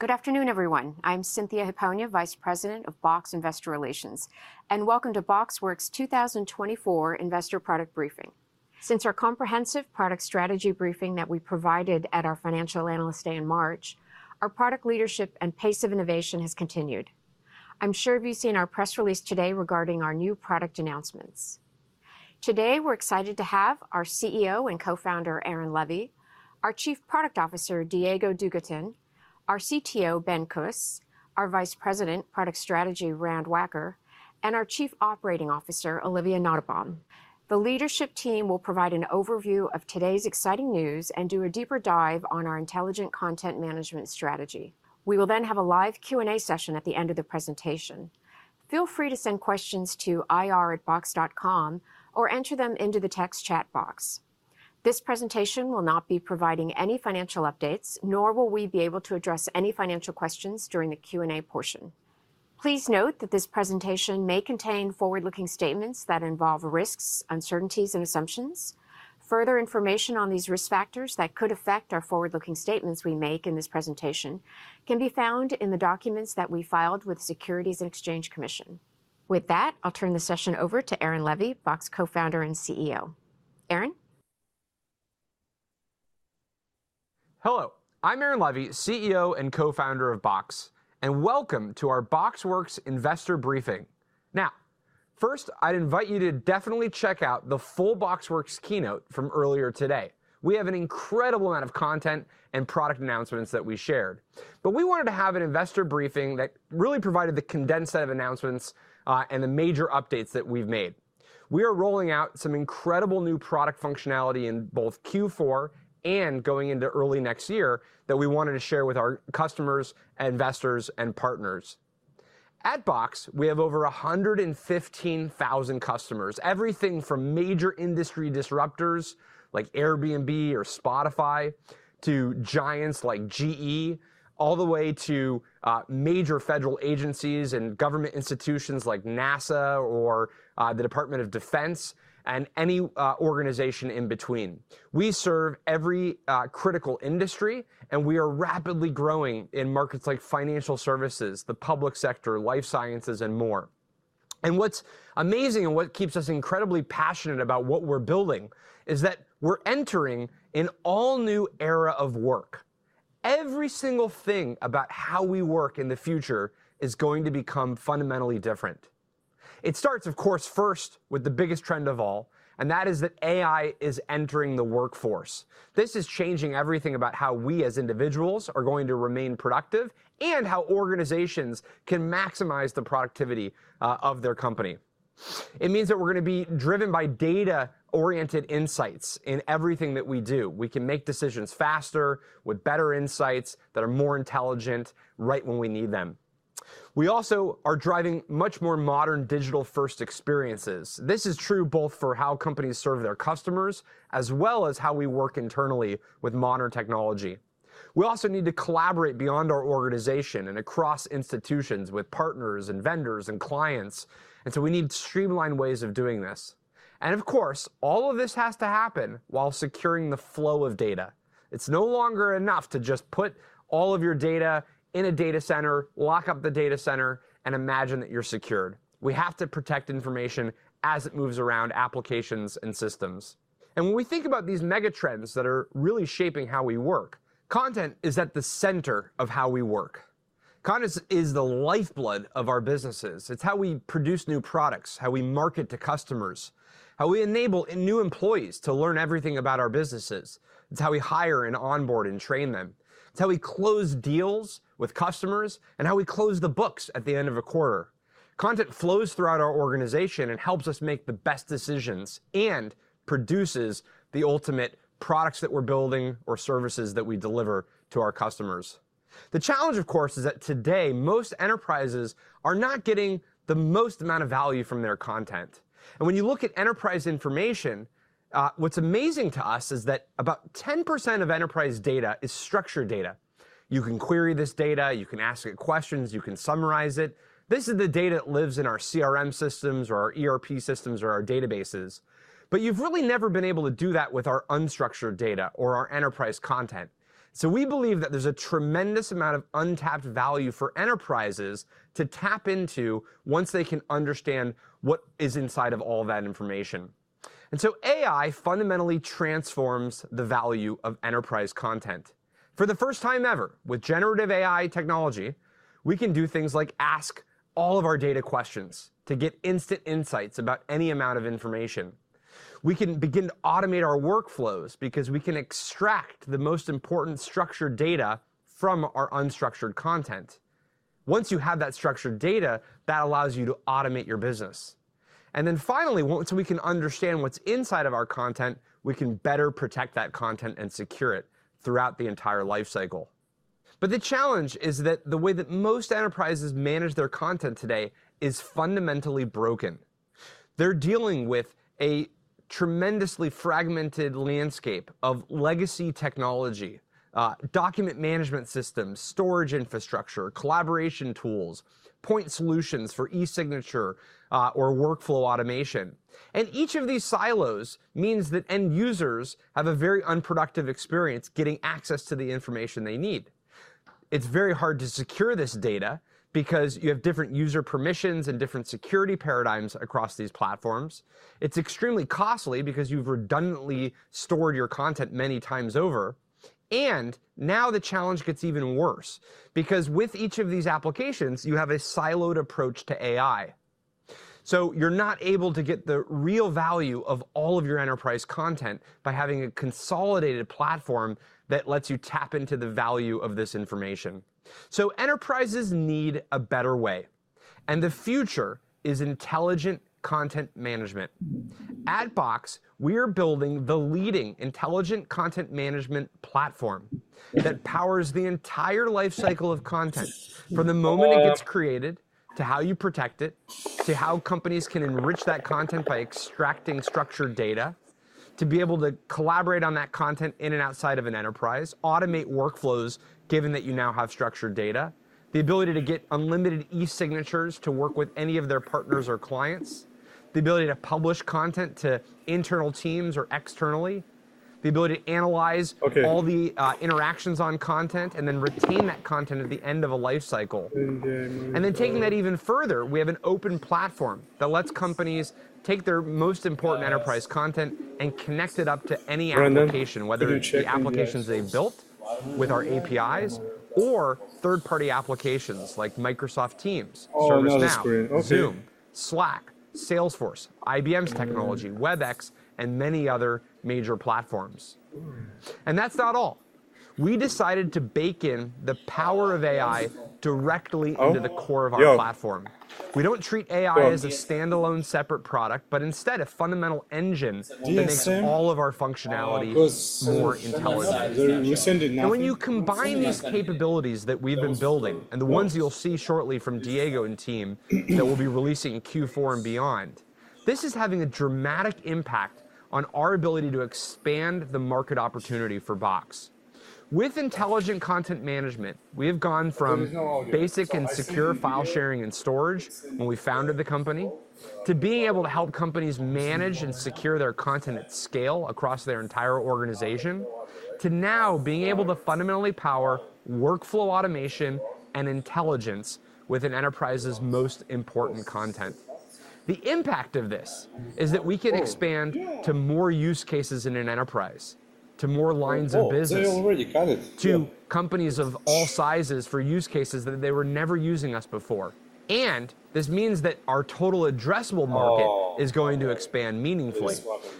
Good afternoon, everyone. I'm Cynthia Hiponia, Vice President of Box Investor Relations, and welcome to BoxWorks' 2024 Investor Product Briefing. Since our comprehensive product strategy briefing that we provided at our Financial Analyst Day in March, our product leadership and pace of innovation has continued. I'm sure you've seen our press release today regarding our new product announcements. Today, we're excited to have our CEO and co-founder, Aaron Levie, our Chief Product Officer, Diego Dugatkin, our CTO, Ben Kuss, our Vice President, Product Strategy, Rand Wacker, and our Chief Operating Officer, Olivia Nottebohm. The leadership team will provide an overview of today's exciting news and do a deeper dive on our intelligent content management strategy. We will then have a live Q&A session at the end of the presentation. Feel free to send questions to ir@box.com or enter them into the text chat box. This presentation will not be providing any financial updates, nor will we be able to address any financial questions during the Q&A portion. Please note that this presentation may contain forward-looking statements that involve risks, uncertainties, and assumptions. Further information on these risk factors that could affect our forward-looking statements we make in this presentation can be found in the documents that we filed with the Securities and Exchange Commission. With that, I'll turn the session over to Aaron Levie, Box co-founder and CEO. Aaron? Hello. I'm Aaron Levie, CEO and co-founder of Box, and welcome to our BoxWorks investor briefing. Now, first, I'd invite you to definitely check out the full BoxWorks keynote from earlier today. We have an incredible amount of content and product announcements that we shared, but we wanted to have an investor briefing that really provided the condensed set of announcements and the major updates that we've made. We are rolling out some incredible new product functionality in both Q4 and going into early next year that we wanted to share with our customers, investors, and partners. At Box, we have over 115,000 customers, everything from major industry disruptors like Airbnb or Spotify to giants like GE, all the way to major federal agencies and government institutions like NASA or the Department of Defense and any organization in between. We serve every critical industry, and we are rapidly growing in markets like financial services, the public sector, life sciences, and more, and what's amazing and what keeps us incredibly passionate about what we're building is that we're entering an all-new era of work. Every single thing about how we work in the future is going to become fundamentally different. It starts, of course, first with the biggest trend of all, and that is that AI is entering the workforce. This is changing everything about how we as individuals are going to remain productive and how organizations can maximize the productivity of their company. It means that we're going to be driven by data-oriented insights in everything that we do. We can make decisions faster, with better insights that are more intelligent right when we need them. We also are driving much more modern digital-first experiences. This is true both for how companies serve their customers as well as how we work internally with modern technology. We also need to collaborate beyond our organization and across institutions with partners and vendors and clients. And so we need streamlined ways of doing this. And of course, all of this has to happen while securing the flow of data. It's no longer enough to just put all of your data in a data center, lock up the data center, and imagine that you're secure. We have to protect information as it moves around applications and systems. And when we think about these mega trends that are really shaping how we work, content is at the center of how we work. Content is the lifeblood of our businesses. It's how we produce new products, how we market to customers, how we enable new employees to learn everything about our businesses. It's how we hire and onboard and train them. It's how we close deals with customers and how we close the books at the end of a quarter. Content flows throughout our organization and helps us make the best decisions and produces the ultimate products that we're building or services that we deliver to our customers. The challenge, of course, is that today most enterprises are not getting the most amount of value from their content. And when you look at enterprise information, what's amazing to us is that about 10% of enterprise data is structured data. You can query this data, you can ask it questions, you can summarize it. This is the data that lives in our CRM systems or our ERP systems or our databases. But you've really never been able to do that with our unstructured data or our enterprise content. So we believe that there's a tremendous amount of untapped value for enterprises to tap into once they can understand what is inside of all that information. And so AI fundamentally transforms the value of enterprise content. For the first time ever, with generative AI technology, we can do things like ask all of our data questions to get instant insights about any amount of information. We can begin to automate our workflows because we can extract the most important structured data from our unstructured content. Once you have that structured data, that allows you to automate your business. And then finally, once we can understand what's inside of our content, we can better protect that content and secure it throughout the entire lifecycle. But the challenge is that the way that most enterprises manage their content today is fundamentally broken. They're dealing with a tremendously fragmented landscape of legacy technology, document management systems, storage infrastructure, collaboration tools, point solutions for e-signature or workflow automation. And each of these silos means that end users have a very unproductive experience getting access to the information they need. It's very hard to secure this data because you have different user permissions and different security paradigms across these platforms. It's extremely costly because you've redundantly stored your content many times over. And now the challenge gets even worse because with each of these applications, you have a siloed approach to AI. So you're not able to get the real value of all of your enterprise content by having a consolidated platform that lets you tap into the value of this information. So enterprises need a better way, and the future is intelligent content management. At Box, we are building the leading intelligent content management platform that powers the entire lifecycle of content from the moment it gets created to how you protect it, to how companies can enrich that content by extracting structured data, to be able to collaborate on that content in and outside of an enterprise, automate workflows given that you now have structured data, the ability to get unlimited e-signatures to work with any of their partners or clients, the ability to publish content to internal teams or externally, the ability to analyze all the interactions on content and then retain that content at the end of a lifecycle. And then taking that even further, we have an open platform that lets companies take their most important enterprise content and connect it up to any application, whether it be applications they built with our APIs or third-party applications like Microsoft Teams, ServiceNow, Zoom, Slack, Salesforce, IBM's technology, Webex, and many other major platforms. And that's not all. We decided to bake in the power of AI directly into the core of our platform. We don't treat AI as a standalone separate product, but instead a fundamental engine that makes all of our functionality more intelligent. And when you combine these capabilities that we've been building and the ones you'll see shortly from Diego and team that we'll be releasing in Q4 and beyond, this is having a dramatic impact on our ability to expand the market opportunity for Box. With intelligent content management, we have gone from basic and secure file sharing and storage when we founded the company to being able to help companies manage and secure their content at scale across their entire organization to now being able to fundamentally power workflow automation and intelligence with an enterprise's most important content. The impact of this is that we can expand to more use cases in an enterprise, to more lines of business, to companies of all sizes for use cases that they were never using us before, and this means that our total addressable market is going to expand meaningfully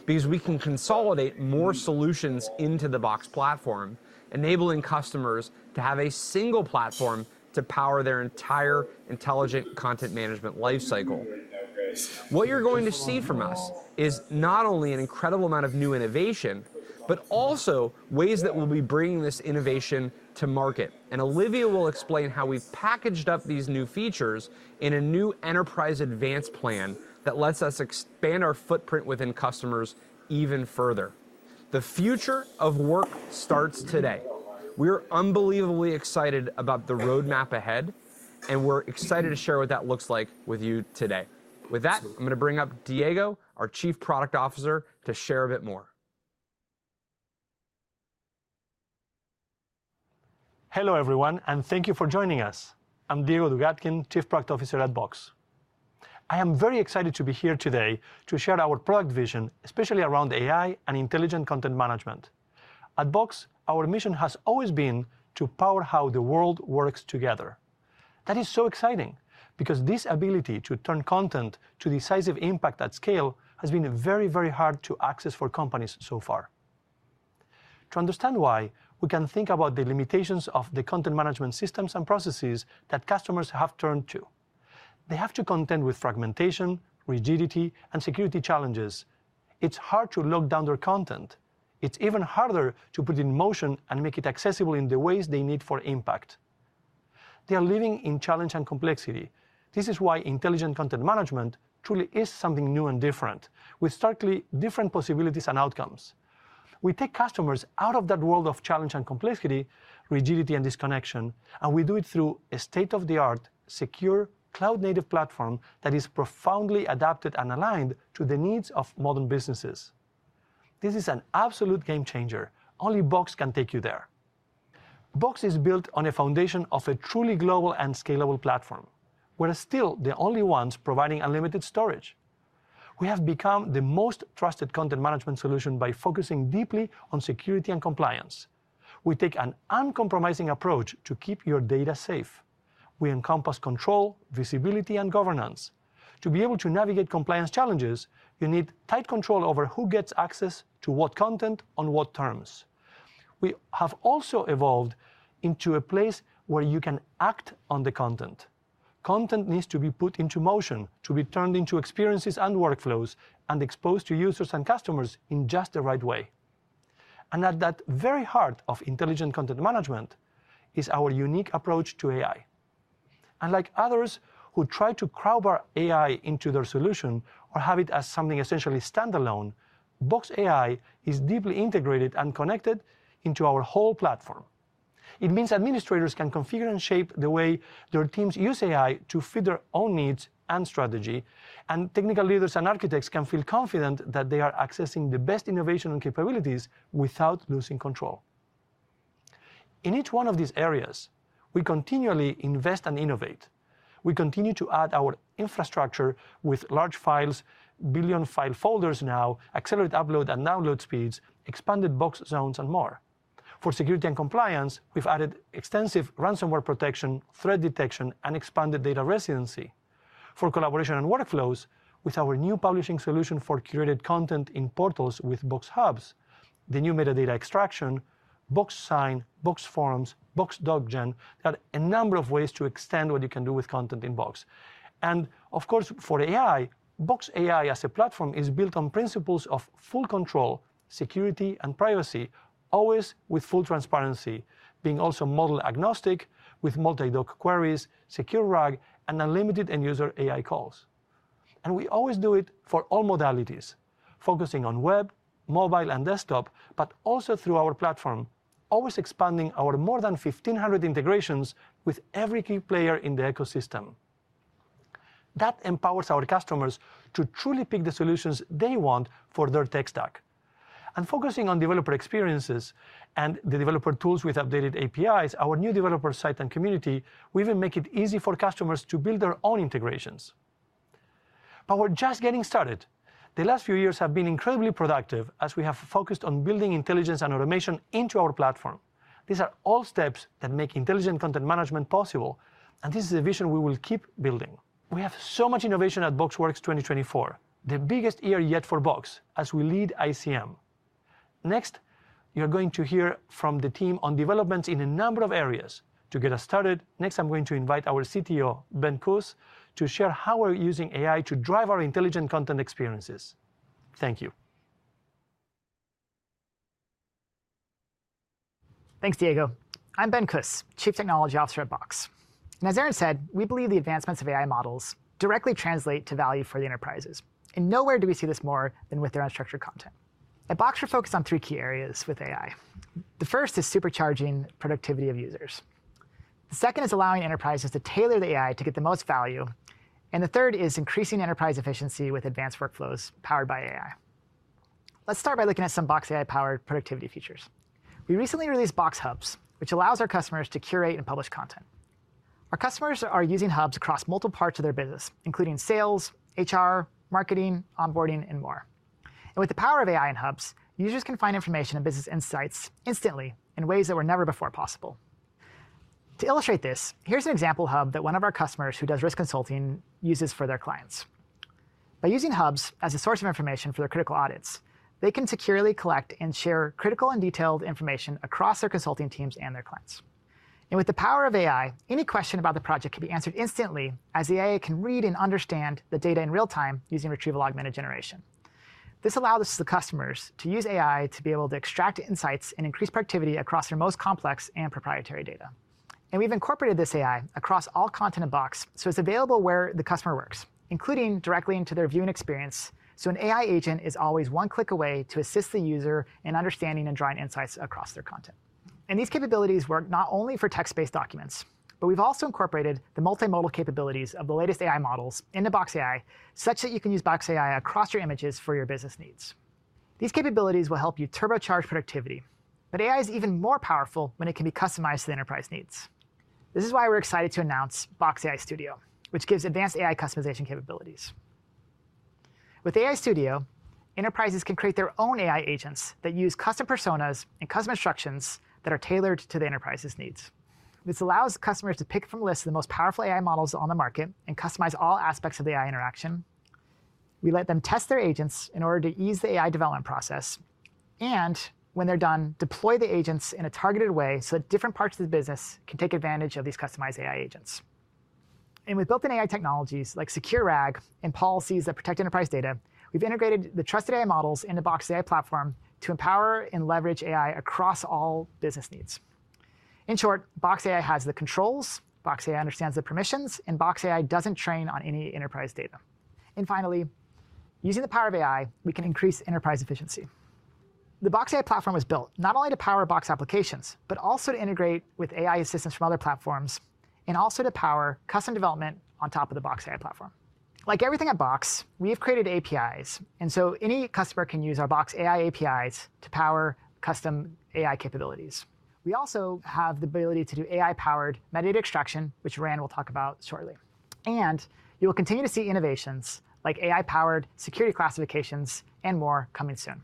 because we can consolidate more solutions into the Box platform, enabling customers to have a single platform to power their entire intelligent content management lifecycle. What you're going to see from us is not only an incredible amount of new innovation, but also ways that we'll be bringing this innovation to market. And Olivia will explain how we've packaged up these new features in a new Enterprise Advanced plan that lets us expand our footprint within customers even further. The future of work starts today. We are unbelievably excited about the roadmap ahead, and we're excited to share what that looks like with you today. With that, I'm going to bring up Diego, our Chief Product Officer, to share a bit more. Hello everyone, and thank you for joining us. I'm Diego Dugatkin, Chief Product Officer at Box. I am very excited to be here today to share our product vision, especially around AI and intelligent content management. At Box, our mission has always been to power how the world works together. That is so exciting because this ability to turn content to decisive impact at scale has been very, very hard to access for companies so far. To understand why, we can think about the limitations of the content management systems and processes that customers have turned to. They have to contend with fragmentation, rigidity, and security challenges. It's hard to lock down their content. It's even harder to put it in motion and make it accessible in the ways they need for impact. They are living in challenge and complexity. This is why intelligent content management truly is something new and different with starkly different possibilities and outcomes. We take customers out of that world of challenge and complexity, rigidity, and disconnection, and we do it through a state-of-the-art, secure, cloud-native platform that is profoundly adapted and aligned to the needs of modern businesses. This is an absolute game changer. Only Box can take you there. Box is built on a foundation of a truly global and scalable platform. We're still the only ones providing unlimited storage. We have become the most trusted content management solution by focusing deeply on security and compliance. We take an uncompromising approach to keep your data safe. We encompass control, visibility, and governance. To be able to navigate compliance challenges, you need tight control over who gets access to what content on what terms. We have also evolved into a place where you can act on the content. Content needs to be put into motion, to be turned into experiences and workflows, and exposed to users and customers in just the right way, and at that very heart of intelligent content management is our unique approach to AI. Unlike others who try to crowd our AI into their solution or have it as something essentially standalone, Box AI is deeply integrated and connected into our whole platform. It means administrators can configure and shape the way their teams use AI to fit their own needs and strategy, and technical leaders and architects can feel confident that they are accessing the best innovation and capabilities without losing control. In each one of these areas, we continually invest and innovate. We continue to add our infrastructure with large files, billion-file folders now, accelerated upload and download speeds, expanded Box Zones, and more. For security and compliance, we've added extensive ransomware protection, threat detection, and expanded data residency. For collaboration and workflows, with our new publishing solution for curated content in portals with Box Hubs, the new metadata extraction, Box Sign, Box Forms, Box Doc Gen, there are a number of ways to extend what you can do with content in Box. And of course, for AI, Box AI as a platform is built on principles of full control, security, and privacy, always with full transparency, being also model agnostic with multi-doc queries, secure RAG, and unlimited end-user AI calls. And we always do it for all modalities, focusing on web, mobile, and desktop, but also through our platform, always expanding our more than 1,500 integrations with every key player in the ecosystem. That empowers our customers to truly pick the solutions they want for their tech stack. And focusing on developer experiences and the developer tools with updated APIs, our new developer site and community, we even make it easy for customers to build their own integrations. But we're just getting started. The last few years have been incredibly productive as we have focused on building intelligence and automation into our platform. These are all steps that make intelligent content management possible, and this is a vision we will keep building. We have so much innovation at BoxWorks 2024, the biggest year yet for Box as we lead ICM. Next, you're going to hear from the team on developments in a number of areas. To get us started, next I'm going to invite our CTO, Ben Kuss, to share how we're using AI to drive our intelligent content experiences. Thank you. Thanks, Diego. I'm Ben Kuss, Chief Technology Officer at Box, and as Aaron said, we believe the advancements of AI models directly translate to value for the enterprises, and nowhere do we see this more than with their unstructured content. At Box, we're focused on three key areas with AI. The first is supercharging productivity of users. The second is allowing enterprises to tailor the AI to get the most value, and the third is increasing enterprise efficiency with advanced workflows powered by AI. Let's start by looking at some Box AI-powered productivity features. We recently released Box Hubs, which allows our customers to curate and publish content. Our customers are using Hubs across multiple parts of their business, including sales, HR, marketing, onboarding, and more, and with the power of AI and Hubs, users can find information and business insights instantly in ways that were never before possible. To illustrate this, here's an example hub that one of our customers who does risk consulting uses for their clients. By using hubs as a source of information for their critical audits, they can securely collect and share critical and detailed information across their consulting teams and their clients. And with the power of AI, any question about the project can be answered instantly as the AI can read and understand the data in real time using retrieval augmented generation. This allows the customers to use AI to be able to extract insights and increase productivity across their most complex and proprietary data. And we've incorporated this AI across all content in Box so it's available where the customer works, including directly into their viewing experience so an AI agent is always one click away to assist the user in understanding and drawing insights across their content. These capabilities work not only for text-based documents, but we've also incorporated the multimodal capabilities of the latest AI models into Box AI such that you can use Box AI across your images for your business needs. These capabilities will help you turbocharge productivity, but AI is even more powerful when it can be customized to the enterprise needs. This is why we're excited to announce Box AI Studio, which gives advanced AI customization capabilities. With AI Studio, enterprises can create their own AI agents that use custom personas and custom instructions that are tailored to the enterprise's needs. This allows customers to pick from a list of the most powerful AI models on the market and customize all aspects of the AI interaction. We let them test their agents in order to ease the AI development process. When they're done, deploy the agents in a targeted way so that different parts of the business can take advantage of these customized AI agents. With built-in AI technologies like secure RAG and policies that protect enterprise data, we've integrated the trusted AI models into Box AI platform to empower and leverage AI across all business needs. In short, Box AI has the controls, Box AI understands the permissions, and Box AI doesn't train on any enterprise data. Finally, using the power of AI, we can increase enterprise efficiency. The Box AI platform was built not only to power Box applications, but also to integrate with AI assistance from other platforms and also to power custom development on top of the Box AI platform. Like everything at Box, we have created APIs, and so any customer can use our Box AI APIs to power custom AI capabilities. We also have the ability to do AI-powered metadata extraction, which Rand will talk about shortly. And you'll continue to see innovations like AI-powered security classifications and more coming soon.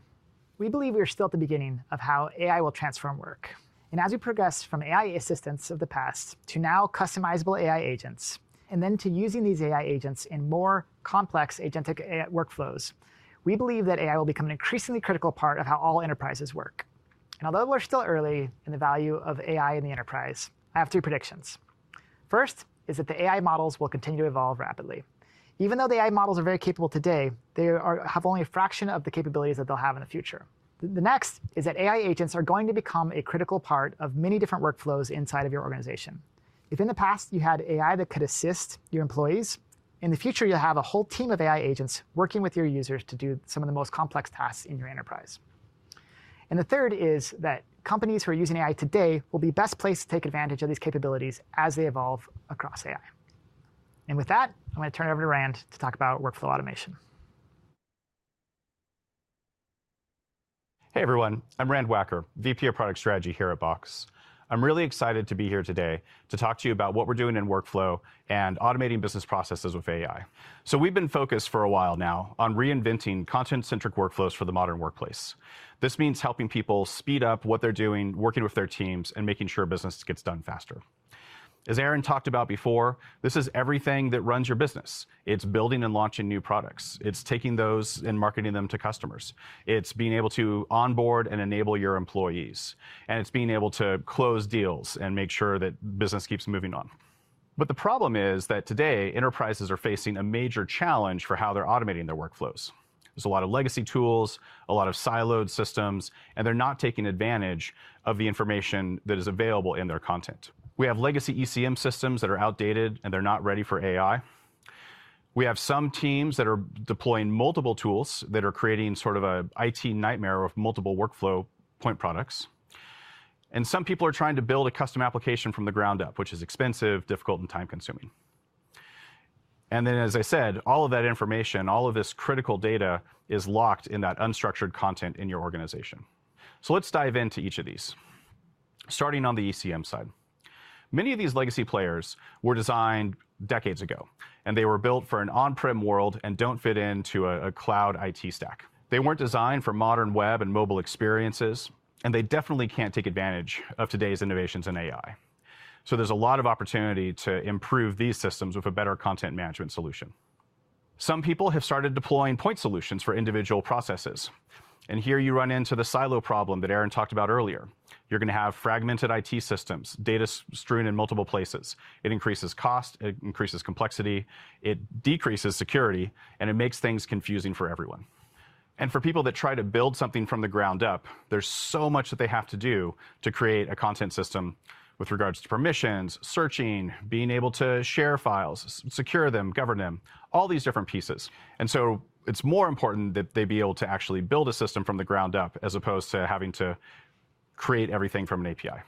We believe we are still at the beginning of how AI will transform work. And as we progress from AI assistants of the past to now customizable AI agents, and then to using these AI agents in more complex agentic workflows, we believe that AI will become an increasingly critical part of how all enterprises work. And although we're still early in the value of AI in the enterprise, I have three predictions. First is that the AI models will continue to evolve rapidly. Even though the AI models are very capable today, they have only a fraction of the capabilities that they'll have in the future. The next is that AI agents are going to become a critical part of many different workflows inside of your organization. If in the past you had AI that could assist your employees, in the future you'll have a whole team of AI agents working with your users to do some of the most complex tasks in your enterprise. The third is that companies who are using AI today will be best placed to take advantage of these capabilities as they evolve across AI. With that, I'm going to turn it over to Rand to talk about workflow automation. Hey everyone, I'm Rand Wacker, VP of Product Strategy here at Box. I'm really excited to be here today to talk to you about what we're doing in workflow and automating business processes with AI. So we've been focused for a while now on reinventing content-centric workflows for the modern workplace. This means helping people speed up what they're doing, working with their teams, and making sure business gets done faster. As Aaron talked about before, this is everything that runs your business. It's building and launching new products. It's taking those and marketing them to customers. It's being able to onboard and enable your employees. And it's being able to close deals and make sure that business keeps moving on. But the problem is that today, enterprises are facing a major challenge for how they're automating their workflows. There's a lot of legacy tools, a lot of siloed systems, and they're not taking advantage of the information that is available in their content. We have legacy ECM systems that are outdated and they're not ready for AI. We have some teams that are deploying multiple tools that are creating sort of an IT nightmare with multiple workflow point products. And some people are trying to build a custom application from the ground up, which is expensive, difficult, and time-consuming. And then, as I said, all of that information, all of this critical data is locked in that unstructured content in your organization. So let's dive into each of these, starting on the ECM side. Many of these legacy players were designed decades ago, and they were built for an on-prem world and don't fit into a cloud IT stack. They weren't designed for modern web and mobile experiences, and they definitely can't take advantage of today's innovations in AI. So there's a lot of opportunity to improve these systems with a better content management solution. Some people have started deploying point solutions for individual processes. And here you run into the silo problem that Aaron talked about earlier. You're going to have fragmented IT systems, data strewn in multiple places. It increases cost, it increases complexity, it decreases security, and it makes things confusing for everyone. And for people that try to build something from the ground up, there's so much that they have to do to create a content system with regards to permissions, searching, being able to share files, secure them, govern them, all these different pieces. And so it's more important that they be able to actually build a system from the ground up as opposed to having to create everything from an API.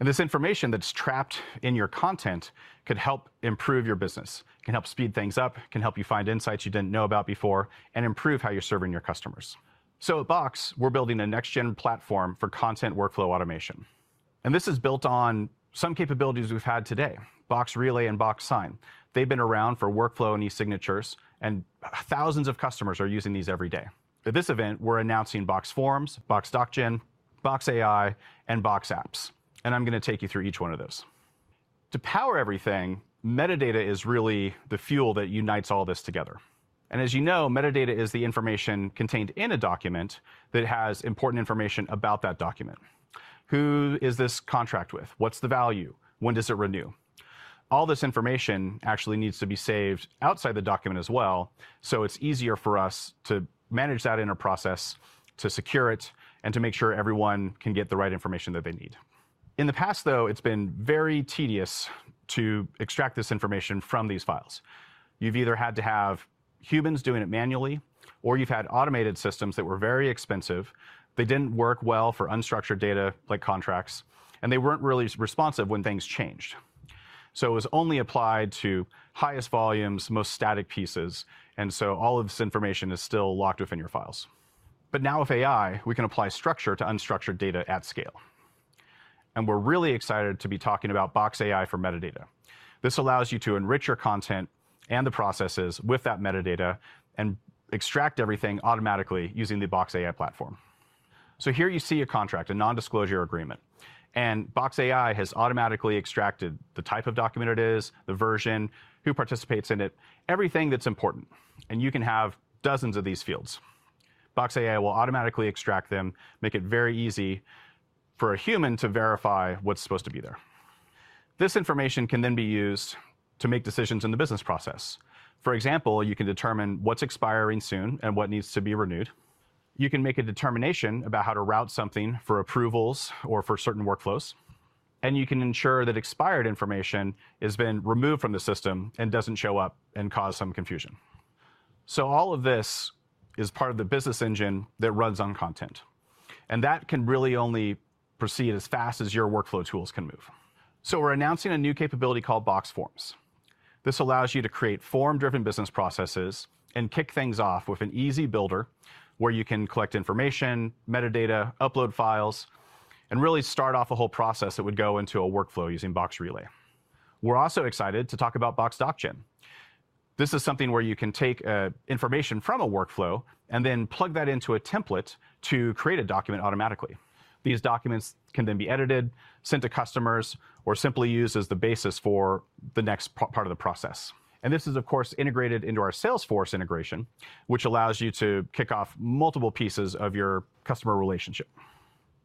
And this information that's trapped in your content could help improve your business, can help speed things up, can help you find insights you didn't know about before, and improve how you're serving your customers. So at Box, we're building a next-gen platform for content workflow automation. And this is built on some capabilities we've had today, Box Relay and Box Sign. They've been around for workflow and e-signatures, and thousands of customers are using these every day. At this event, we're announcing Box Forms, Box Doc Gen, Box AI, and Box Apps. And I'm going to take you through each one of those. To power everything, metadata is really the fuel that unites all this together. As you know, metadata is the information contained in a document that has important information about that document. Who is this contract with? What's the value? When does it renew? All this information actually needs to be saved outside the document as well, so it's easier for us to manage that in a process, to secure it, and to make sure everyone can get the right information that they need. In the past, though, it's been very tedious to extract this information from these files. You've either had to have humans doing it manually, or you've had automated systems that were very expensive. They didn't work well for unstructured data like contracts, and they weren't really responsive when things changed. So it was only applied to highest volumes, most static pieces, and so all of this information is still locked within your files. But now with AI, we can apply structure to unstructured data at scale. And we're really excited to be talking about Box AI for metadata. This allows you to enrich your content and the processes with that metadata and extract everything automatically using the Box AI platform. So here you see a contract, a non-disclosure agreement. And Box AI has automatically extracted the type of document it is, the version, who participates in it, everything that's important. And you can have dozens of these fields. Box AI will automatically extract them, make it very easy for a human to verify what's supposed to be there. This information can then be used to make decisions in the business process. For example, you can determine what's expiring soon and what needs to be renewed. You can make a determination about how to route something for approvals or for certain workflows. And you can ensure that expired information has been removed from the system and doesn't show up and cause some confusion. So all of this is part of the business engine that runs on content. And that can really only proceed as fast as your workflow tools can move. So we're announcing a new capability called Box Forms. This allows you to create form-driven business processes and kick things off with an easy builder where you can collect information, metadata, upload files, and really start off a whole process that would go into a workflow using Box Relay. We're also excited to talk about Box Doc Gen. This is something where you can take information from a workflow and then plug that into a template to create a document automatically. These documents can then be edited, sent to customers, or simply used as the basis for the next part of the process. And this is, of course, integrated into our Salesforce integration, which allows you to kick off multiple pieces of your customer relationship.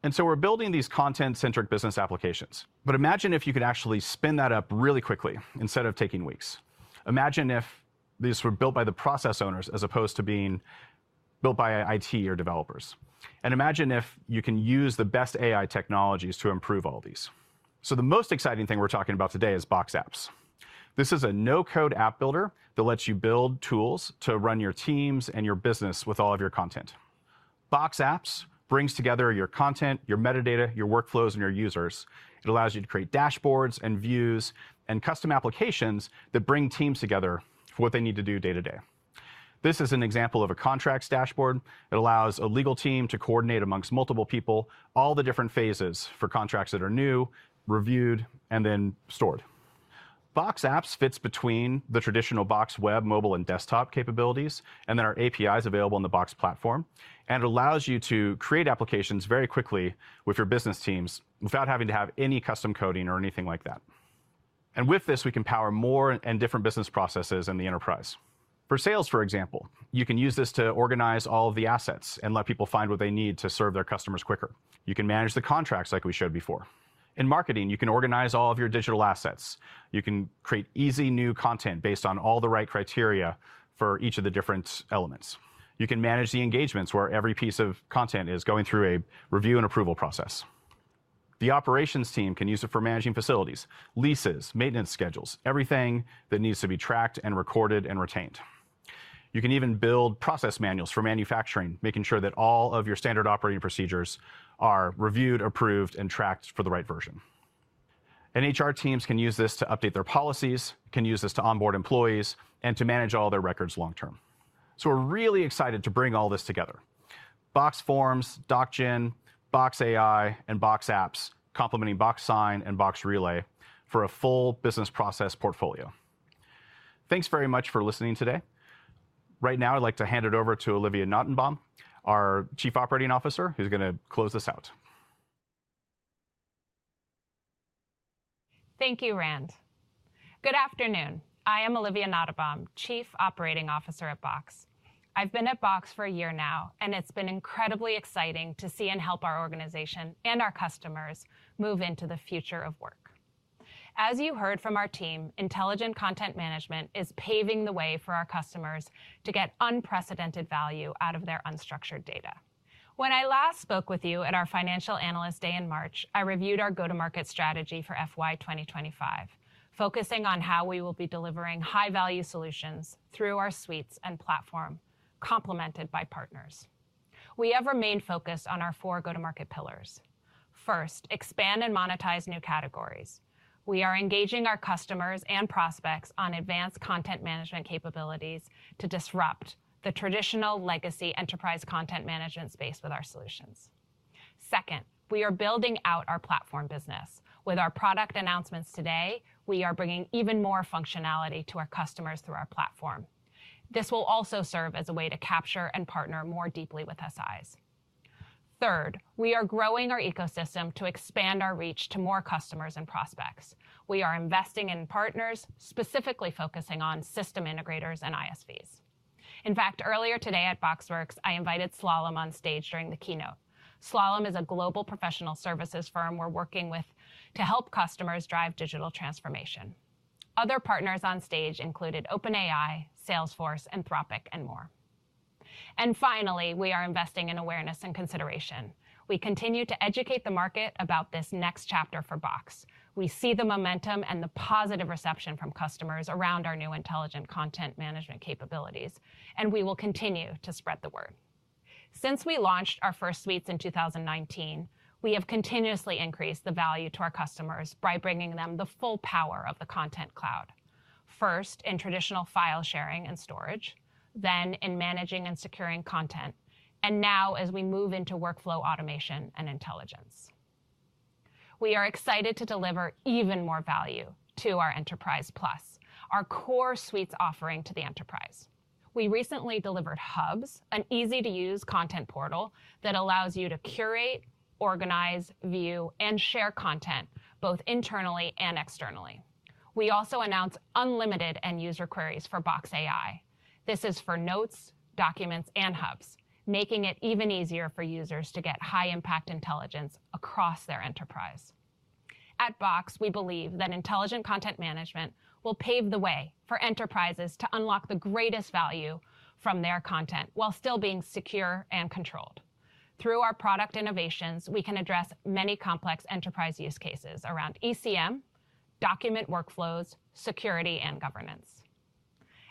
And so we're building these content-centric business applications. But imagine if you could actually spin that up really quickly instead of taking weeks. Imagine if these were built by the process owners as opposed to being built by IT or developers. And imagine if you can use the best AI technologies to improve all these. So the most exciting thing we're talking about today is Box Apps. This is a no-code app builder that lets you build tools to run your teams and your business with all of your content. Box Apps brings together your content, your metadata, your workflows, and your users. It allows you to create dashboards and views and custom applications that bring teams together for what they need to do day to day. This is an example of a contracts dashboard. It allows a legal team to coordinate amongst multiple people all the different phases for contracts that are new, reviewed, and then stored. Box Apps fits between the traditional Box Web, mobile, and desktop capabilities, and then our APIs available on the Box platform. And it allows you to create applications very quickly with your business teams without having to have any custom coding or anything like that. And with this, we can power more and different business processes in the enterprise. For sales, for example, you can use this to organize all of the assets and let people find what they need to serve their customers quicker. You can manage the contracts like we showed before. In marketing, you can organize all of your digital assets. You can create easy new content based on all the right criteria for each of the different elements. You can manage the engagements where every piece of content is going through a review and approval process. The operations team can use it for managing facilities, leases, maintenance schedules, everything that needs to be tracked and recorded and retained. You can even build process manuals for manufacturing, making sure that all of your standard operating procedures are reviewed, approved, and tracked for the right version. And HR teams can use this to update their policies, can use this to onboard employees, and to manage all their records long-term. So we're really excited to bring all this together. Box Forms, Doc Gen, Box AI, and Box Apps, complementing Box Sign and Box Relay for a full business process portfolio. Thanks very much for listening today. Right now, I'd like to hand it over to Olivia Nottebohm, our Chief Operating Officer, who's going to close this out. Thank you, Rand. Good afternoon. I am Olivia Nottebohm, Chief Operating Officer at Box. I've been at Box for a year now, and it's been incredibly exciting to see and help our organization and our customers move into the future of work. As you heard from our team, intelligent content management is paving the way for our customers to get unprecedented value out of their unstructured data. When I last spoke with you at our financial analyst day in March, I reviewed our go-to-market strategy for FY 2025, focusing on how we will be delivering high-value solutions through our suites and platform, complemented by partners. We have remained focused on our four go-to-market pillars. First, expand and monetize new categories. We are engaging our customers and prospects on advanced content management capabilities to disrupt the traditional legacy enterprise content management space with our solutions. Second, we are building out our platform business. With our product announcements today, we are bringing even more functionality to our customers through our platform. This will also serve as a way to capture and partner more deeply with SIs. Third, we are growing our ecosystem to expand our reach to more customers and prospects. We are investing in partners, specifically focusing on system integrators and ISVs. In fact, earlier today at BoxWorks, I invited Slalom on stage during the keynote. Slalom is a global professional services firm we're working with to help customers drive digital transformation. Other partners on stage included OpenAI, Salesforce, Anthropic, and more, and finally, we are investing in awareness and consideration. We continue to educate the market about this next chapter for Box. We see the momentum and the positive reception from customers around our new intelligent content management capabilities, and we will continue to spread the word. Since we launched our first suites in 2019, we have continuously increased the value to our customers by bringing them the full power of the Content Cloud, first in traditional file sharing and storage, then in managing and securing content, and now as we move into workflow automation and intelligence. We are excited to deliver even more value to our Enterprise Plus, our core suites offering to the enterprise. We recently delivered Hubs, an easy-to-use content portal that allows you to curate, organize, view, and share content both internally and externally. We also announced unlimited end-user queries for Box AI. This is for notes, documents, and hubs, making it even easier for users to get high-impact intelligence across their enterprise. At Box, we believe that intelligent content management will pave the way for enterprises to unlock the greatest value from their content while still being secure and controlled. Through our product innovations, we can address many complex enterprise use cases around ECM, document workflows, security, and governance.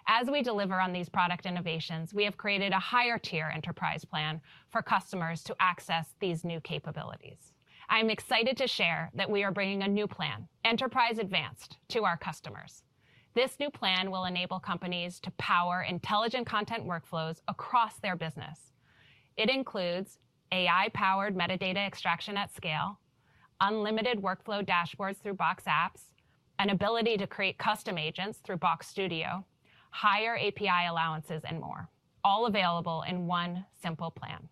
As we deliver on these product innovations, we have created a higher-tier enterprise plan for customers to access these new capabilities. I'm excited to share that we are bringing a new plan, Enterprise Advanced, to our customers. This new plan will enable companies to power intelligent content workflows across their business. It includes AI-powered metadata extraction at scale, unlimited workflow dashboards through Box Apps, an ability to create custom agents through Box AI Studio, higher API allowances, and more, all available in one simple plan.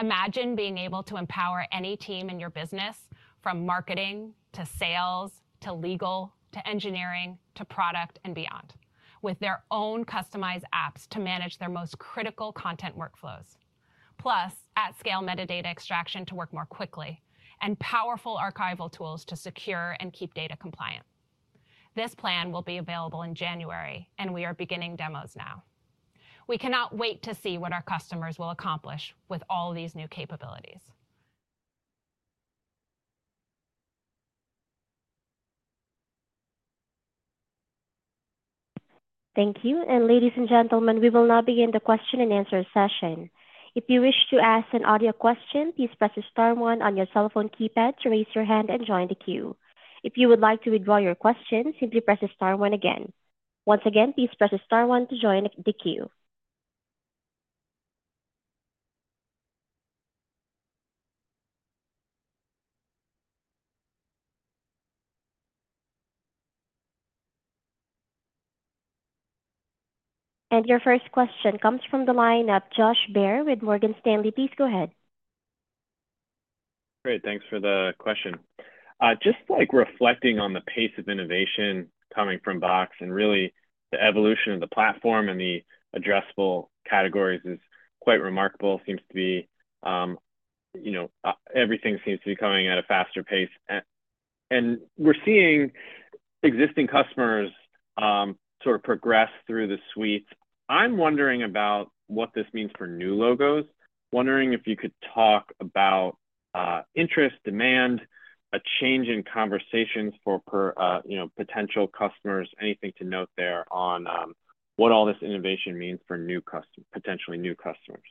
Imagine being able to empower any team in your business, from marketing to sales to legal to engineering to product and beyond, with their own customized apps to manage their most critical content workflows. Plus, at scale, metadata extraction to work more quickly and powerful archival tools to secure and keep data compliant. This plan will be available in January, and we are beginning demos now. We cannot wait to see what our customers will accomplish with all these new capabilities. Thank you. And ladies and gentlemen, we will now begin the question and answer session. If you wish to ask an audio question, please press the star one on your cell phone keypad to raise your hand and join the queue. If you would like to withdraw your question, simply press the star one again. Once again, please press the star one to join the queue. And your first question comes from the line of Josh Baer with Morgan Stanley. Please go ahead. Great. Thanks for the question. Just reflecting on the pace of innovation coming from Box and really the evolution of the platform and the addressable categories is quite remarkable. Everything seems to be coming at a faster pace, and we're seeing existing customers sort of progress through the suites. I'm wondering about what this means for new logos, wondering if you could talk about interest, demand, a change in conversations for potential customers, anything to note there on what all this innovation means for potentially new customers.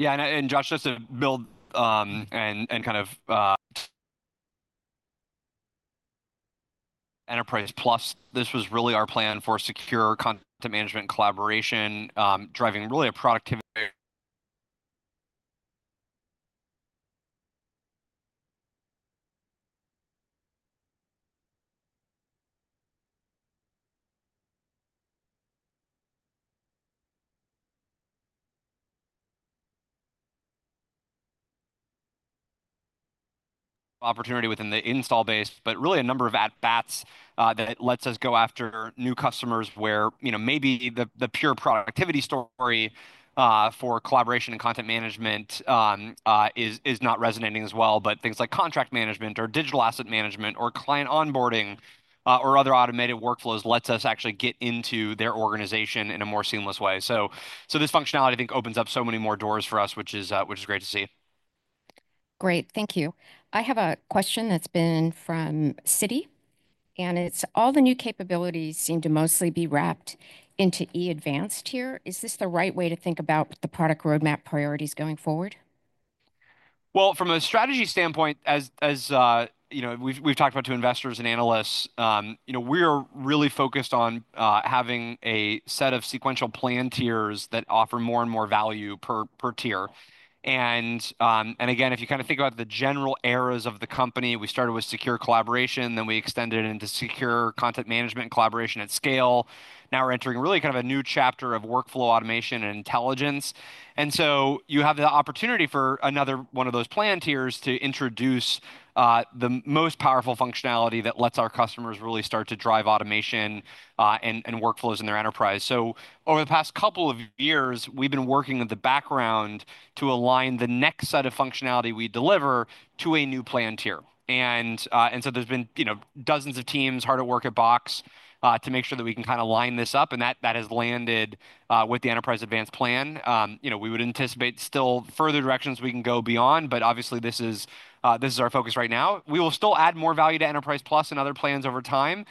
Yeah. Josh, just to build and kind of Enterprise Plus, this was really our plan for secure content management collaboration, driving really a productivity opportunity within the install base, but really a number of at-bats that lets us go after new customers where maybe the pure productivity story for collaboration and content management is not resonating as well. Things like contract management or digital asset management or client onboarding or other automated workflows lets us actually get into their organization in a more seamless way. So this functionality, I think, opens up so many more doors for us, which is great to see. Great. Thank you. I have a question that's been from Cindy, and it's, "All the new capabilities seem to mostly be wrapped into Enterprise Advanced here. Is this the right way to think about the product roadmap priorities going forward? From a strategy standpoint, as we've talked about to investors and analysts, we are really focused on having a set of sequential plan tiers that offer more and more value per tier. Again, if you kind of think about the general eras of the company, we started with secure collaboration, then we extended into secure content management collaboration at scale. Now we're entering really kind of a new chapter of workflow automation and intelligence. You have the opportunity for another one of those plan tiers to introduce the most powerful functionality that lets our customers really start to drive automation and workflows in their enterprise. Over the past couple of years, we've been working in the background to align the next set of functionality we deliver to a new plan tier. There's been dozens of teams hard at work at Box to make sure that we can kind of line this up. That has landed with the Enterprise Advanced plan. We would anticipate still further directions we can go beyond, but obviously, this is our focus right now. We will still add more value to Enterprise Plus and other plans over time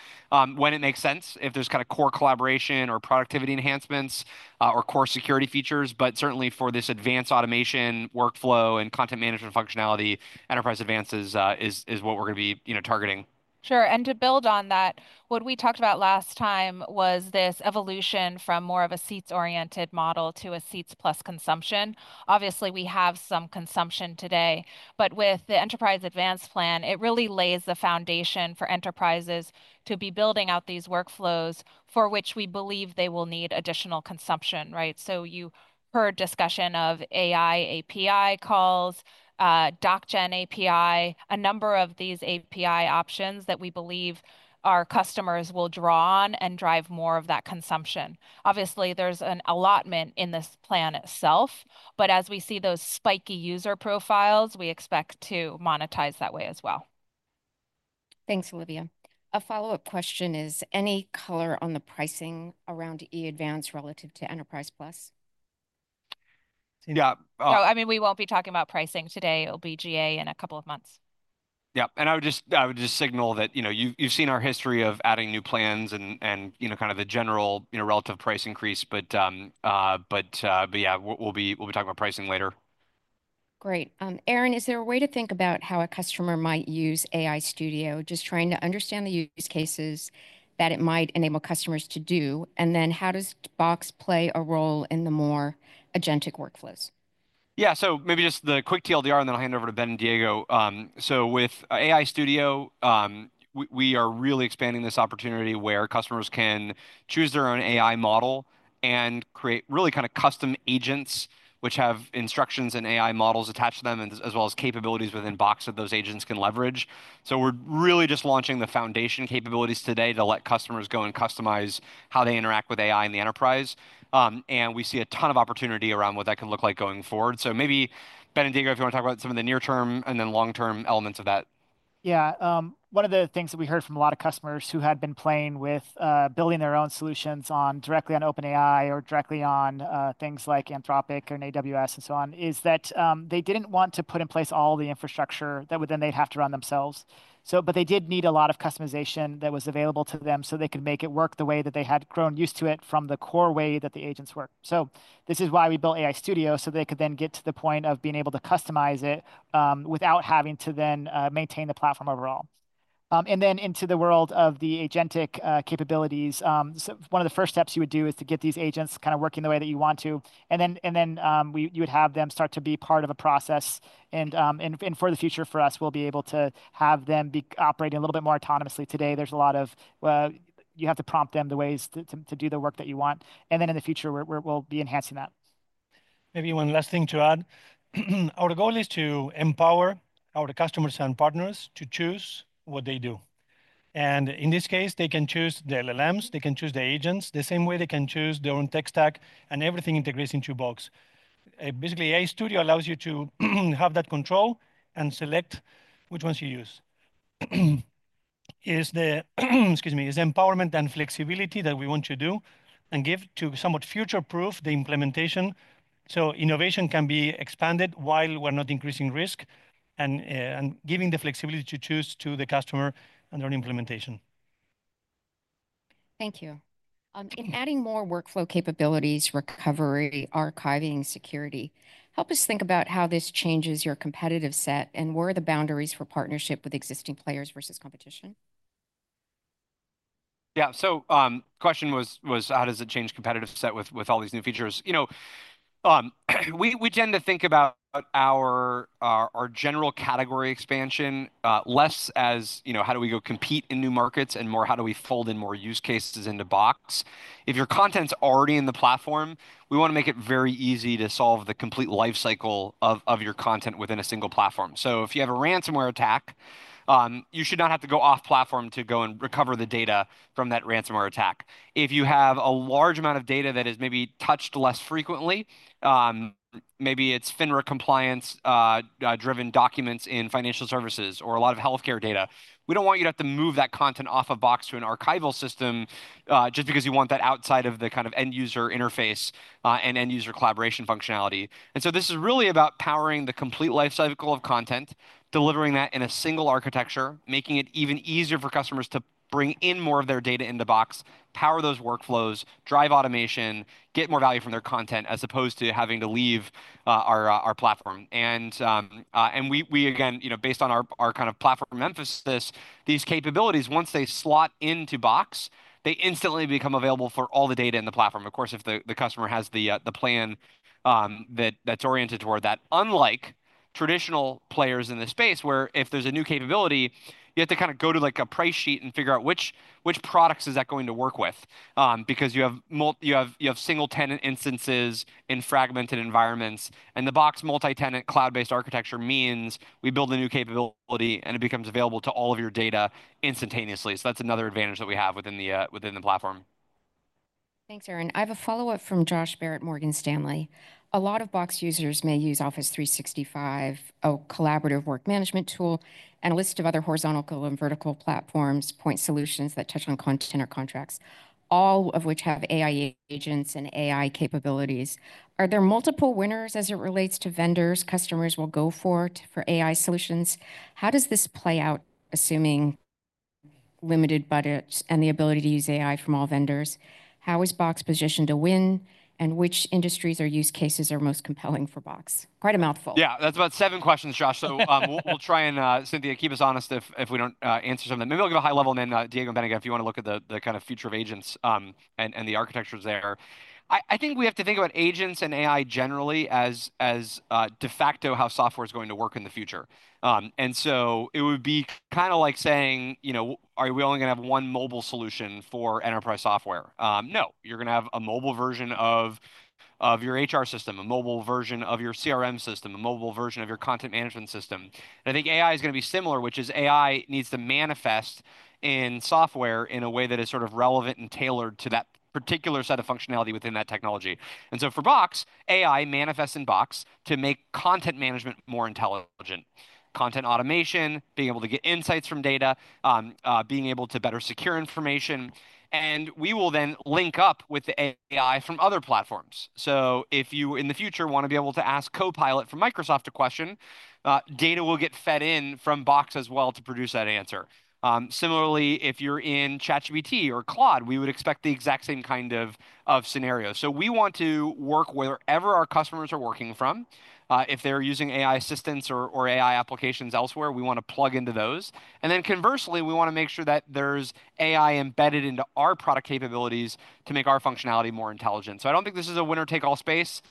when it makes sense, if there's kind of core collaboration or productivity enhancements or core security features. Certainly, for this advanced automation workflow and content management functionality, Enterprise Advanced is what we're going to be targeting. Sure. And to build on that, what we talked about last time was this evolution from more of a seats-oriented model to a seats-plus consumption. Obviously, we have some consumption today. But with the Enterprise Advanced plan, it really lays the foundation for enterprises to be building out these workflows for which we believe they will need additional consumption. So you heard discussion of AI API calls, DocGen API, a number of these API options that we believe our customers will draw on and drive more of that consumption. Obviously, there's an allotment in this plan itself. But as we see those spiky user profiles, we expect to monetize that way as well. Thanks, Olivia. A follow-up question is, "Any color on the pricing around Enterprise Advanced relative to Enterprise Plus? Yeah. So I mean, we won't be talking about pricing today. It'll be GA in a couple of months. Yeah. And I would just signal that you've seen our history of adding new plans and kind of the general relative price increase. But yeah, we'll be talking about pricing later. Great. Aaron, is there a way to think about how a customer might use AI Studio, just trying to understand the use cases that it might enable customers to do? And then how does Box play a role in the more agentic workflows? Yeah. So maybe just the quick TL;DR, and then I'll hand it over to Ben and Diego. So with AI Studio, we are really expanding this opportunity where customers can choose their own AI model and create really kind of custom agents, which have instructions and AI models attached to them, as well as capabilities within Box that those agents can leverage. So we're really just launching the foundation capabilities today to let customers go and customize how they interact with AI in the enterprise. And we see a ton of opportunity around what that can look like going forward. So maybe Ben and Diego, if you want to talk about some of the near-term and then long-term elements of that. Yeah. One of the things that we heard from a lot of customers who had been playing with building their own solutions directly on OpenAI or directly on things like Anthropic and AWS and so on is that they didn't want to put in place all the infrastructure that would then they'd have to run themselves. But they did need a lot of customization that was available to them so they could make it work the way that they had grown used to it from the core way that the agents work. So this is why we built AI Studio, so they could then get to the point of being able to customize it without having to then maintain the platform overall. Then into the world of the agentic capabilities, one of the first steps you would do is to get these agents kind of working the way that you want to. Then you would have them start to be part of a process. For the future, for us, we'll be able to have them be operating a little bit more autonomously. Today, there's a lot of you have to prompt them the ways to do the work that you want. Then in the future, we'll be enhancing that. Maybe one last thing to add. Our goal is to empower our customers and partners to choose what they do. And in this case, they can choose the LLMs. They can choose the agents the same way they can choose their own tech stack. And everything integrates into Box. Basically, AI Studio allows you to have that control and select which ones you use. Excuse me, it's empowerment and flexibility that we want to do and give to somewhat future-proof the implementation so innovation can be expanded while we're not increasing risk and giving the flexibility to choose to the customer and their implementation. Thank you. In adding more workflow capabilities, recovery, archiving, security, help us think about how this changes your competitive set and where the boundaries for partnership with existing players versus competition? Yeah. So the question was, how does it change competitive set with all these new features? We tend to think about our general category expansion less as how do we go compete in new markets and more how do we fold in more use cases into Box. If your content's already in the platform, we want to make it very easy to solve the complete lifecycle of your content within a single platform. So if you have a ransomware attack, you should not have to go off-platform to go and recover the data from that ransomware attack. If you have a large amount of data that is maybe touched less frequently, maybe it's FINRA compliance-driven documents in financial services or a lot of healthcare data, we don't want you to have to move that content off of Box to an archival system just because you want that outside of the kind of end-user interface and end-user collaboration functionality. And so this is really about powering the complete lifecycle of content, delivering that in a single architecture, making it even easier for customers to bring in more of their data into Box, power those workflows, drive automation, get more value from their content as opposed to having to leave our platform. We, again, based on our kind of platform emphasis, these capabilities, once they slot into Box, they instantly become available for all the data in the platform, of course, if the customer has the plan that's oriented toward that. Unlike traditional players in this space, where if there's a new capability, you have to kind of go to a price sheet and figure out which products is that going to work with because you have single-tenant instances in fragmented environments, and the Box multi-tenant cloud-based architecture means we build a new capability, and it becomes available to all of your data instantaneously. That's another advantage that we have within the platform. Thanks, Aaron. I have a follow-up from Josh Baer, Morgan Stanley. A lot of Box users may use Office 365, a collaborative work management tool, and a list of other horizontal and vertical platforms, point solutions that touch on content or contracts, all of which have AI agents and AI capabilities. Are there multiple winners as it relates to vendors customers will go for for AI solutions? How does this play out, assuming limited budgets and the ability to use AI from all vendors? How is Box positioned to win? And which industries or use cases are most compelling for Box? Quite a mouthful. Yeah. That's about seven questions, Josh. So we'll try and, Cynthia, keep us honest if we don't answer some of them. Maybe I'll give a high level. And then Diego and Ben again, if you want to look at the kind of future of agents and the architectures there. I think we have to think about agents and AI generally as de facto how software is going to work in the future. And so it would be kind of like saying, are we only going to have one mobile solution for enterprise software? No. You're going to have a mobile version of your HR system, a mobile version of your CRM system, a mobile version of your content management system. I think AI is going to be similar, which is AI needs to manifest in software in a way that is sort of relevant and tailored to that particular set of functionality within that technology. For Box, AI manifests in Box to make content management more intelligent, content automation, being able to get insights from data, being able to better secure information. We will then link up with the AI from other platforms. If you, in the future, want to be able to ask Copilot from Microsoft a question, data will get fed in from Box as well to produce that answer. Similarly, if you're in ChatGPT or Claude, we would expect the exact same kind of scenario. We want to work wherever our customers are working from. If they're using AI assistants or AI applications elsewhere, we want to plug into those. And then conversely, we want to make sure that there's AI embedded into our product capabilities to make our functionality more intelligent. So I don't think this is a winner-take-all space.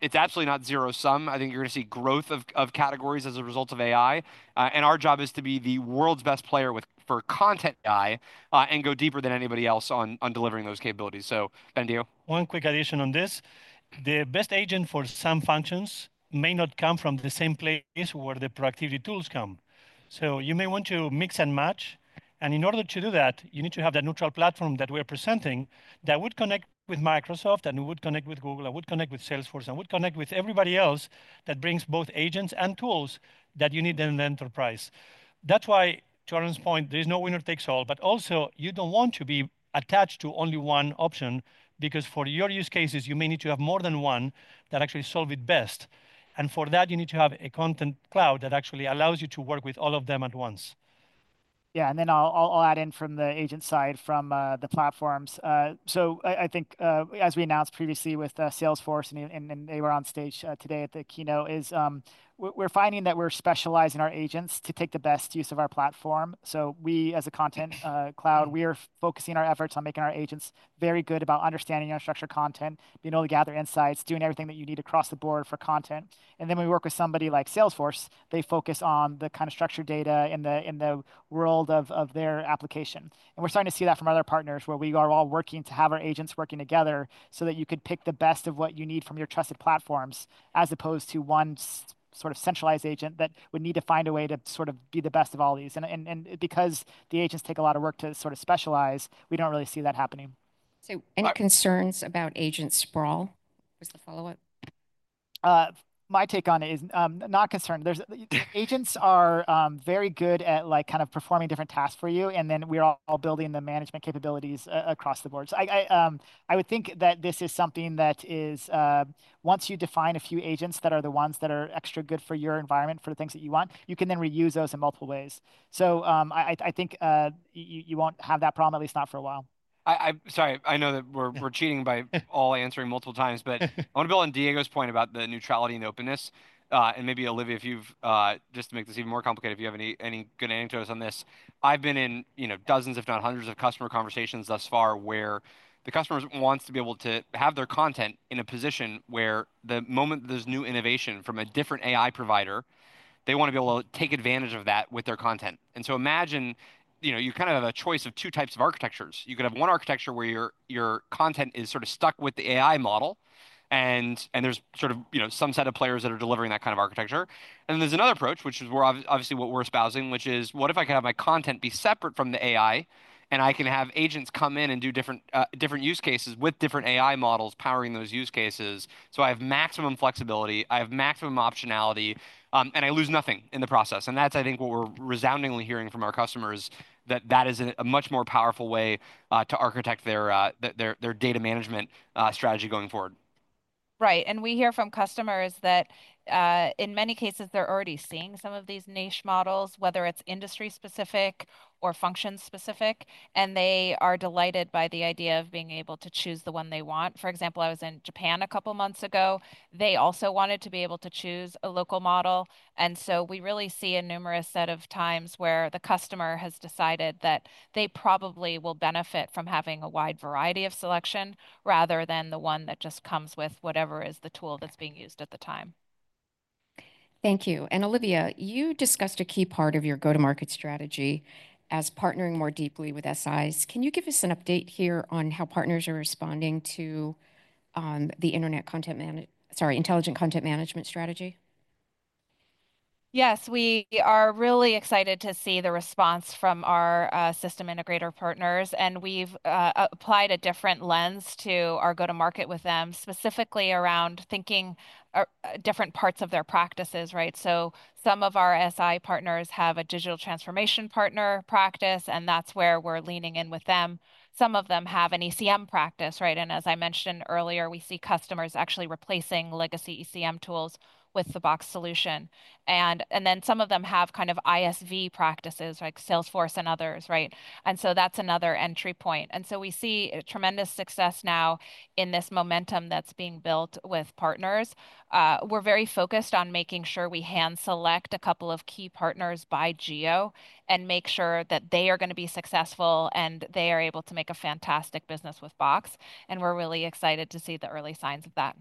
It's absolutely not zero-sum. I think you're going to see growth of categories as a result of AI. And our job is to be the world's best player for content AI and go deeper than anybody else on delivering those capabilities. So, Ben and Diego. One quick addition on this. The best agent for some functions may not come from the same place where the productivity tools come. So you may want to mix and match. And in order to do that, you need to have that neutral platform that we are presenting that would connect with Microsoft and would connect with Google and would connect with Salesforce and would connect with everybody else that brings both agents and tools that you need in the enterprise. That's why, to Aaron's point, there is no winner-takes-all. But also, you don't want to be attached to only one option because for your use cases, you may need to have more than one that actually solve it best. And for that, you need to have a Content Cloud that actually allows you to work with all of them at once. Yeah. And then I'll add in from the agent side from the platforms. So I think, as we announced previously with Salesforce, and they were on stage today at the keynote, we're finding that we're specializing our agents to take the best use of our platform. So we, as a content cloud, we are focusing our efforts on making our agents very good about understanding unstructured content, being able to gather insights, doing everything that you need across the board for content. And then when we work with somebody like Salesforce, they focus on the kind of structured data in the world of their application. We're starting to see that from other partners where we are all working to have our agents working together so that you could pick the best of what you need from your trusted platforms as opposed to one sort of centralized agent that would need to find a way to sort of be the best of all these. Because the agents take a lot of work to sort of specialize, we don't really see that happening. So any concerns about agent sprawl? What's the follow-up? My take on it is not concerned. Agents are very good at kind of performing different tasks for you and then we're all building the management capabilities across the board, so I would think that this is something that, once you define a few agents that are the ones that are extra good for your environment for the things that you want, you can then reuse those in multiple ways, so I think you won't have that problem, at least not for a while. Sorry. I know that we're cheating by all answering multiple times. But I want to build on Diego's point about the neutrality and openness. And maybe, Olivia, if you've just to make this even more complicated, if you have any good anecdotes on this. I've been in dozens, if not hundreds, of customer conversations thus far where the customers want to be able to have their content in a position where the moment there's new innovation from a different AI provider, they want to be able to take advantage of that with their content. And so imagine you kind of have a choice of two types of architectures. You could have one architecture where your content is sort of stuck with the AI model. And there's sort of some set of players that are delivering that kind of architecture. Then there's another approach, which is obviously what we're espousing, which is, what if I can have my content be separate from the AI, and I can have agents come in and do different use cases with different AI models powering those use cases? So I have maximum flexibility. I have maximum optionality. And I lose nothing in the process. And that's, I think, what we're resoundingly hearing from our customers, that that is a much more powerful way to architect their data management strategy going forward. Right. And we hear from customers that, in many cases, they're already seeing some of these niche models, whether it's industry-specific or function-specific. And they are delighted by the idea of being able to choose the one they want. For example, I was in Japan a couple of months ago. They also wanted to be able to choose a local model. And so we really see a numerous set of times where the customer has decided that they probably will benefit from having a wide variety of selection rather than the one that just comes with whatever is the tool that's being used at the time. Thank you. And Olivia, you discussed a key part of your go-to-market strategy as partnering more deeply with SIs. Can you give us an update here on how partners are responding to the internet content sorry, Intelligent Content Management strategy? Yes. We are really excited to see the response from our system integrator partners. And we've applied a different lens to our go-to-market with them, specifically around thinking different parts of their practices, right? So some of our SI partners have a digital transformation partner practice. And that's where we're leaning in with them. Some of them have an ECM practice, right? And as I mentioned earlier, we see customers actually replacing legacy ECM tools with the Box solution. And then some of them have kind of ISV practices, like Salesforce and others, right? And so that's another entry point. And so we see tremendous success now in this momentum that's being built with partners. We're very focused on making sure we hand-select a couple of key partners by geo and make sure that they are going to be successful and they are able to make a fantastic business with Box, and we're really excited to see the early signs of that.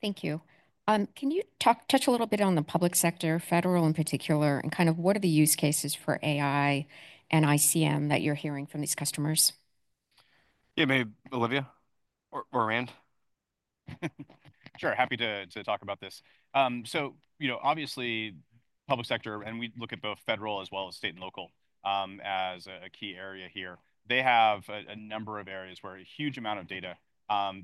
Thank you. Can you touch a little bit on the public sector, federal in particular, and kind of what are the use cases for AI and ICM that you're hearing from these customers? Yeah. Maybe Olivia or Aaron. Sure. Happy to talk about this. So obviously, public sector, and we look at both federal as well as state and local as a key area here. They have a number of areas where a huge amount of data.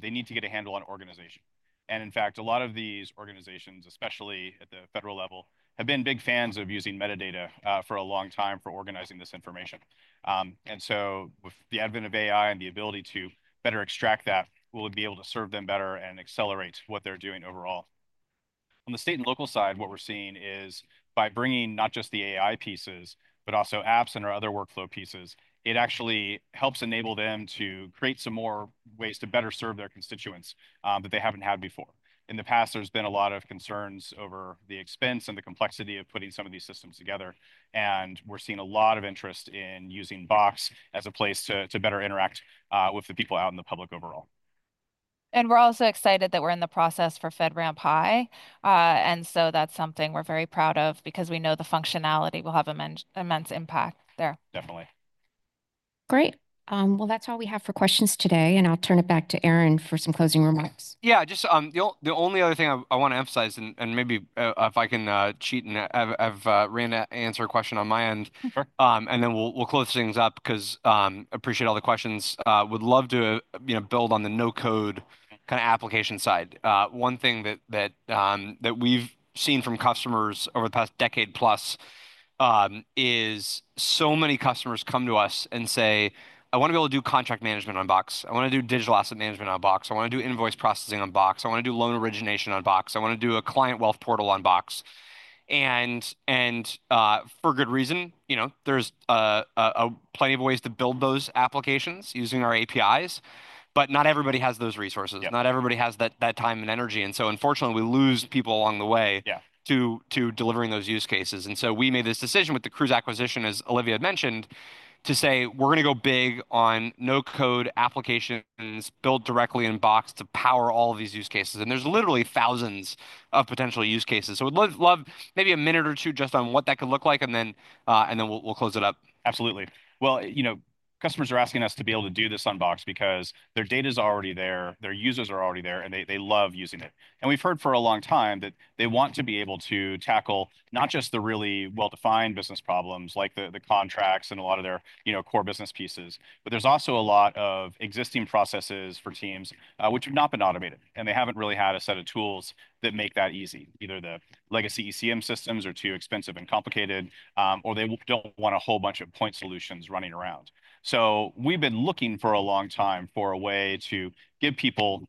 They need to get a handle on organization. And in fact, a lot of these organizations, especially at the federal level, have been big fans of using metadata for a long time for organizing this information. And so with the advent of AI and the ability to better extract that, we'll be able to serve them better and accelerate what they're doing overall. On the state and local side, what we're seeing is by bringing not just the AI pieces, but also apps and our other workflow pieces, it actually helps enable them to create some more ways to better serve their constituents that they haven't had before. In the past, there's been a lot of concerns over the expense and the complexity of putting some of these systems together, and we're seeing a lot of interest in using Box as a place to better interact with the people out in the public overall. We're also excited that we're in the process for FedRAMP High. That's something we're very proud of because we know the functionality will have an immense impact there. Definitely. Great. Well, that's all we have for questions today. And I'll turn it back to Aaron for some closing remarks. Yeah. Just the only other thing I want to emphasize, and maybe if I can cheat and have Rand answer a question on my end, and then we'll close things up because I appreciate all the questions. Would love to build on the no-code kind of application side. One thing that we've seen from customers over the past decade plus is so many customers come to us and say, I want to be able to do contract management on Box. I want to do digital asset management on Box. I want to do invoice processing on Box. I want to do loan origination on Box. I want to do a client wealth portal on Box. And for good reason. There's plenty of ways to build those applications using our APIs. But not everybody has those resources. Not everybody has that time and energy. And so unfortunately, we lose people along the way to delivering those use cases. And so we made this decision with the Crooze acquisition, as Olivia had mentioned, to say, we're going to go big on no-code applications built directly in Box to power all of these use cases. And there's literally thousands of potential use cases. So we'd love maybe a minute or two just on what that could look like. And then we'll close it up. Absolutely. Well, customers are asking us to be able to do this on Box because their data is already there. Their users are already there. And they love using it. And we've heard for a long time that they want to be able to tackle not just the really well-defined business problems like the contracts and a lot of their core business pieces, but there's also a lot of existing processes for teams which have not been automated. And they haven't really had a set of tools that make that easy, either the legacy ECM systems are too expensive and complicated, or they don't want a whole bunch of point solutions running around. We've been looking for a long time for a way to give people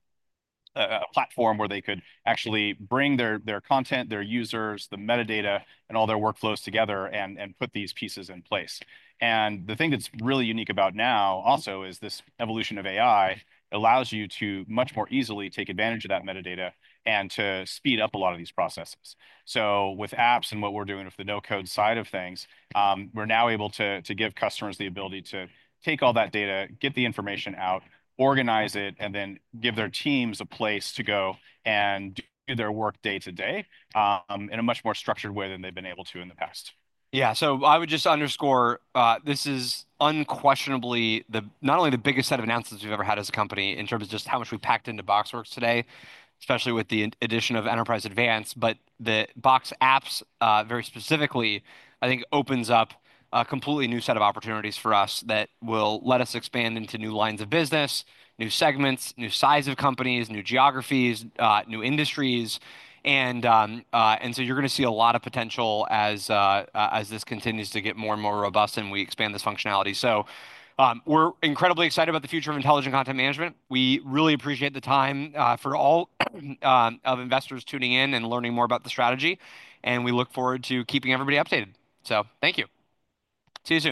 a platform where they could actually bring their content, their users, the metadata, and all their workflows together and put these pieces in place. The thing that's really unique about now also is this evolution of AI allows you to much more easily take advantage of that metadata and to speed up a lot of these processes. With apps and what we're doing with the no-code side of things, we're now able to give customers the ability to take all that data, get the information out, organize it, and then give their teams a place to go and do their work day to day in a much more structured way than they've been able to in the past. Yeah. So I would just underscore this is unquestionably not only the biggest set of announcements we've ever had as a company in terms of just how much we've packed into BoxWorks today, especially with the addition of Enterprise Advanced. But the Box Apps very specifically, I think, opens up a completely new set of opportunities for us that will let us expand into new lines of business, new segments, new size of companies, new geographies, new industries. And so you're going to see a lot of potential as this continues to get more and more robust and we expand this functionality. So we're incredibly excited about the future of intelligent content management. We really appreciate the time for all of investors tuning in and learning more about the strategy. And we look forward to keeping everybody updated. So thank you. See you soon.